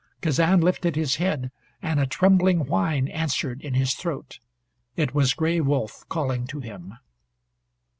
Kazan lifted his head and a trembling whine answered in his throat. It was Gray Wolf calling to him.